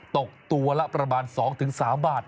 ตกตัวละประมาณ๒๓บาท